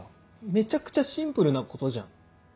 めちゃくちゃシンプルなことじゃん。